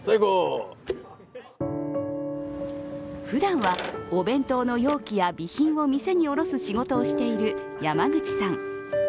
ふだんはお弁当の容器や備品を店に卸す仕事をしている山口さん。